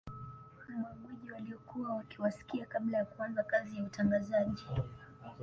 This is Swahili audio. Magwiji waliokuwa wakiwasikia kabla ya kuanza kazi ya utangazaji